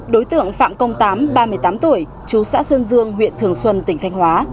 đối tượng phạm công tám ba mươi tám tuổi chú xã xuân dương huyện thường xuân tỉnh thanh hóa